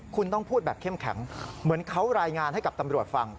คุณต้องพูดแบบเข้มแข็งเหมือนเขารายงานให้กับตำรวจฟัง